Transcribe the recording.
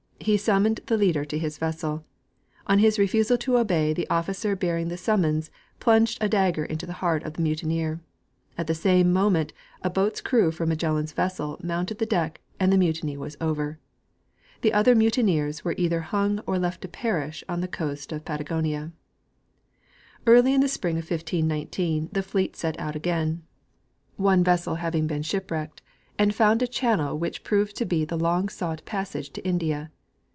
He summoned the leader to his vessel. On his refusal to obey, the officer bearing the summons plunged a dagger into the heart of the mutineer; at the same moment a boat's crew from Magellan's vessel mounted the deck, and the mutin}^ Avas over. , The other mutineers were either hung or left to perish on the coast of Patagonia. Early in the spring of 1519 the fleet set out again, one vessel The Voyage of Magellan. 11 having been shipwrecked, and found a channel which proved to be the long sought passage to India.